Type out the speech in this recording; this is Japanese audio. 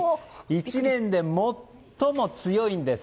１年で最も強いんです。